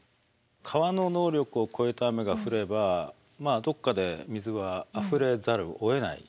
川の能力を超えた雨が降ればどこかで水はあふれざるをえない。